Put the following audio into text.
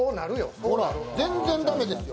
全然駄目ですよ。